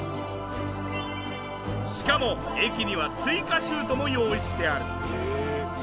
しかも駅には追加シュートも用意してある。